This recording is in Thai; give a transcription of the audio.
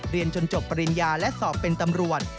เรียนจนจบปริญญาและสอบเป็นตำรวจ